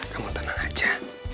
kamu tenang saja